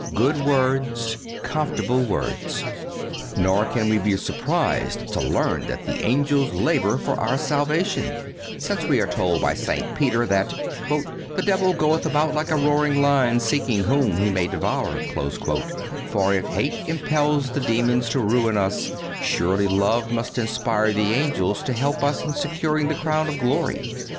good words, comfortable words."(206) Nor can we be surprised to learn that the angels labor for our salvation, since we are told by St. Peter that "the devil goeth about like a roaring lion, seeking whom he may devour;" for, if hate impels the demons to ruin us, surely love must inspire the angels to help us in securing the crown of glory.